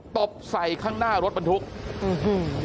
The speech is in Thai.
ตบใส่ข้างหน้ารถบรรทุกอื้อหือ